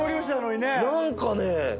何かね。